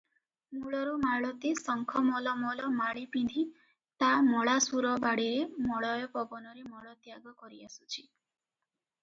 ମୂଳରୁ ମାଳତୀ ଶଙ୍ଖ ମଲ ମଲ ମାଳି ପିନ୍ଧି ତା ମଳାଶୁର ବାଡ଼ିରେ ମଳୟ ପବନରେ ମଳତ୍ୟାଗ କରିଆସୁଛି